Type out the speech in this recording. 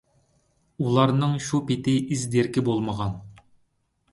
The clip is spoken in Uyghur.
ئۇلارنىڭ شۇ پېتى ئىز-دېرىكى بولمىغان.